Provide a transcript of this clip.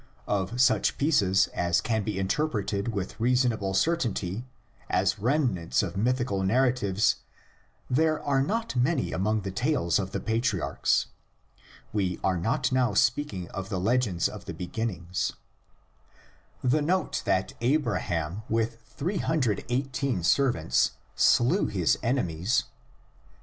Of such pieces as can be interpreted with reasonable certainty as remnants of mythical narratives there are not many among the tales of the patriarchs (we are not now speaking of the legends of the begin nings) : the note that Abraham with 318 servants slew his enemies (xiv.